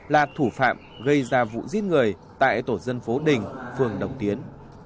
là thủ phạm gây ra vụ giết người tại tổ dân phố đình phường đồng tiến